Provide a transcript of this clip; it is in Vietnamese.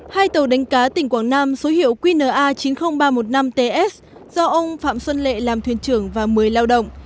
hai tàu đánh cá tỉnh quảng nam số hiệu qna chín mươi nghìn ba trăm một mươi năm ts do ông phạm xuân lệ làm thuyền trưởng và một mươi lao động